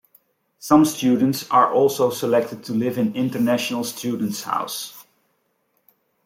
Some students are also selected to live in International Students House.